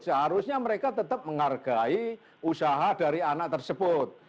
seharusnya mereka tetap menghargai usaha dari anak tersebut